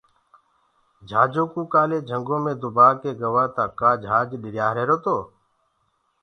جھاجو ڪوُ ڪآلي جھنگو مينٚ دُبآ ڪيِ گوآ تآ ڪآ جھاج ڏِريآريهِرو تو